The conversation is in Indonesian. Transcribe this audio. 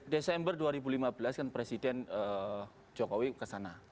desember dua ribu lima belas kan presiden jokowi kesana